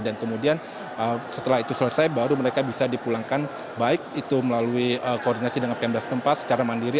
dan kemudian setelah itu selesai baru mereka bisa dipulangkan baik itu melalui koordinasi dengan pmdas tempas secara mandiri